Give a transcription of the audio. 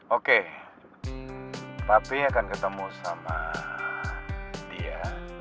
oke tapi akan ketemu sama dia